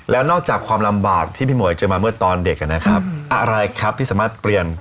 แล้วนอกจากความลำบากที่พี่หมวยเจอมาเมื่อตอนเด็กนะครับอะไรครับที่สามารถเปลี่ยน